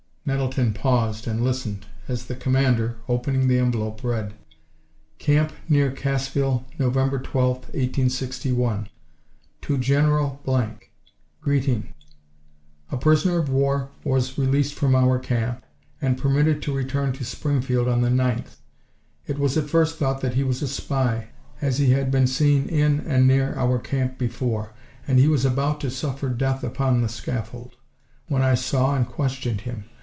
Nettleton paused and listened, as the commander, opening the envelope, read: "Camp near Cassville, Nov. 12th, 1861. "To General ——, greeting: "A prisoner of war was released from our camp, and permitted to return to Springfield, on the 9th. It was at first thought that he was a spy, as he had been seen in and near our camp before, and he was about to suffer death upon the scaffold, when I saw and questioned him.